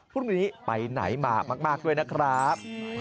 พรุ่งนี้ไปไหนมามากด้วยนะครับ